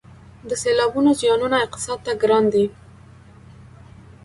د سیلابونو زیانونه اقتصاد ته ګران دي